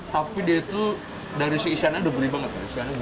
tapi dia itu dari si isiannya udah beli banget